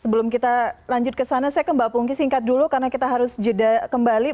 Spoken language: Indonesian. sebelum kita lanjut ke sana saya ke mbak pungki singkat dulu karena kita harus jeda kembali